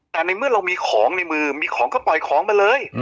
แต่ในเมื่อเรามีของในมือมีของก็ปล่อยของไปเลย